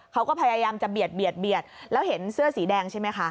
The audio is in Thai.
เขาก็พยายามจะเบียดแล้วเห็นเสื้อสีแดงใช่ไหมคะ